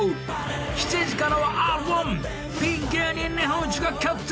７時からは「Ｒ‐１」ピン芸人日本一が決定。